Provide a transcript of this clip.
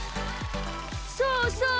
そうそう！